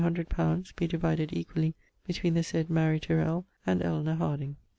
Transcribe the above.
_ be divided equally between the said Mary Tirell and Elenor Harding.